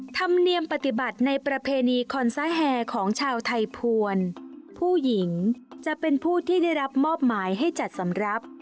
ธรรมเนียมปฏิบัติในประเพณีคอนซาแฮร์ของชาวไทยภวรผู้หญิงจะเป็นผู้ที่ได้รับมอบหมายให้จัดสำหรับ